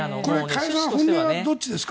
加谷さん本音はどっちですか？